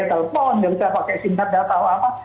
gak usah pakai sim card atau apa